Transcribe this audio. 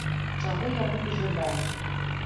Чаго яму і жадаем.